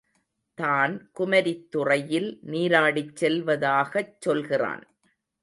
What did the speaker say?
தான் குமரித்துறையில் நீராடிச் செல்வதாகச் சொல்கிறான்.